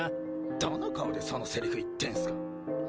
どの顔でそのセリフ言ってんスか！？